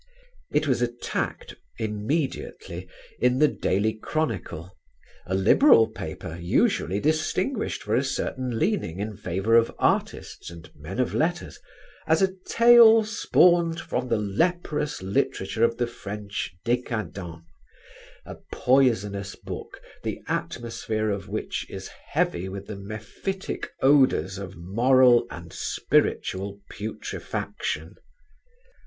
It was attacked immediately in The Daily Chronicle, a liberal paper usually distinguished for a certain leaning in favour of artists and men of letters, as a "tale spawned from the leprous literature of the French decadents a poisonous book, the atmosphere of which is heavy with the mephitic odours of moral and spiritual putrefaction."